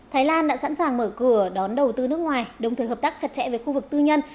thái lan đã sẵn sàng mở cửa đón đầu tư nước ngoài đồng thời hợp tác chặt chẽ với khu vực tư nhân